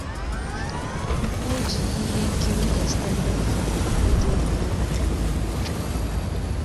O ji ihe nkiri "Extended Family" bido egwuregwu onyo-onyoo.